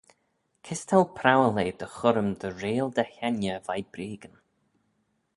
Kys t'ou prowal eh dty churrym dy reayll dty 'hengey veih breagyn?